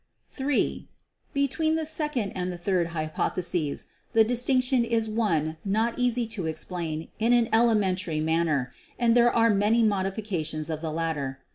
"(3) Between the second and third hypotheses the dis tinction is one not easy to explain in an elementary man ner, and there are many modifications of the latter.